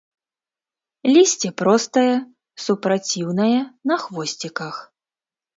Лісце простае, супраціўнае, на хвосціках.